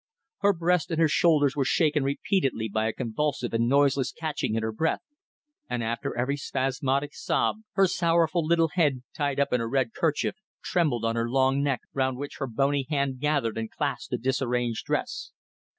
Her breast and her shoulders were shaken repeatedly by a convulsive and noiseless catching in her breath, and after every spasmodic sob her sorrowful little head, tied up in a red kerchief, trembled on her long neck, round which her bony hand gathered and clasped the disarranged dress.